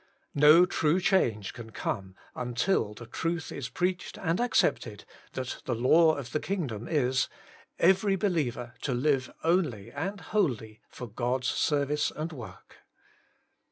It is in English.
No true change can come until the truth is preached and accepted, that the law of the kingdom is : Every be liever to live only and wholly for God's service and work.